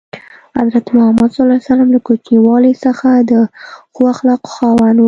حضرت محمد ﷺ له کوچنیوالي څخه د ښو اخلاقو خاوند و.